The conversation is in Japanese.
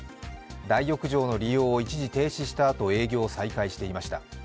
大浴場の利用を一時停止したあと営業を再開していました。